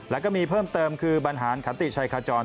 แล้วก็มีเพิ่มเติมคือบรรหารขันติชัยขจร